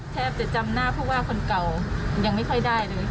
แทบจะจำหน้าผู้ว่าคนเก่ายังไม่ค่อยได้เลย